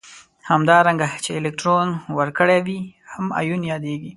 همدارنګه چې الکترون ورکړی وي هم ایون یادیږي.